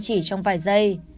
chỉ trong vài giây